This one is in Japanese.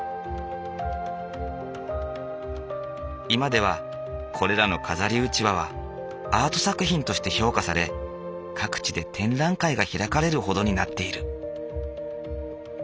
今ではこれらの飾りうちわはアート作品として評価され各地で展覧会が開かれるほどになっている。